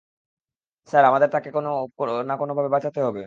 Sir, আমাদের তাকে কোনও না কোনোভাবে বাঁচাতে হবে।